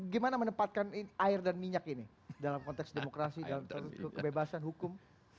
gimana menempatkan air dan minyak ini dalam konteks demokrasi dalam kebebasan hukum